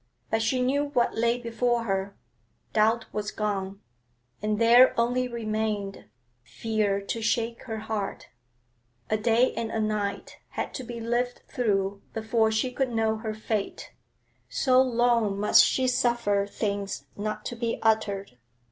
But she knew what lay before her; doubt was gone, and there only remained fear to shake her heart. A day and a night had to be lived through before she could know her fate, so long must she suffer things not to be uttered.